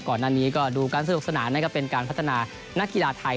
ก่อนหน้านี้ก็ดูการศึกษณะเป็นการพัฒนานักกีฬาไทย